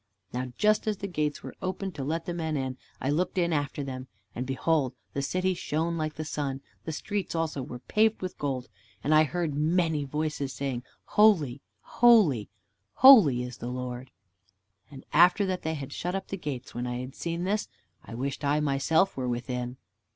Now just as the gates were opened to let in the men, I looked in after them, and behold, the City shone like the sun, the streets also were paved with gold. And I heard many voices saying, "Holy, holy, holy is the Lord." And after that they shut up the gates, and when I had seen this, I wished I myself were within.